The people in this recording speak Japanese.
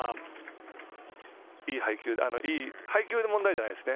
配球の問題じゃないんですよね。